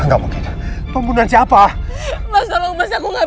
gak mungkin pembunuhan siapa mas aku gak bersalah mas aku gak mau